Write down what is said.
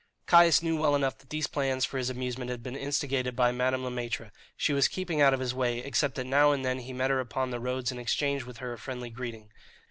Caius knew well enough that these plans for his amusement had been instigated by Madame Le Maître. She was keeping out of his way, except that now and then he met her upon the roads and exchanged with her a friendly greeting.